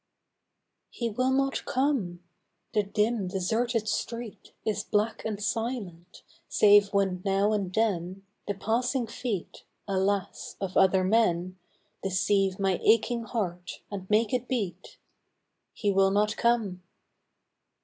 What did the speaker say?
HE will not come ! The dim deserted street Is black and silent, save when now and then, The passing feet (alas !) of other men Deceive my aching heart and make it beat — He will not come